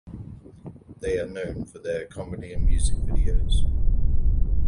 They are known for their comedy and music videos.